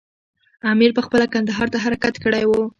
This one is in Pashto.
امیر پخپله کندهار ته حرکت کړی وو.